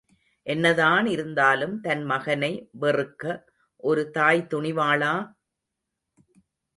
என்னதான் இருந்தாலும், தன் மகனை வெறுக்க ஒரு தாய் துணிவாளா!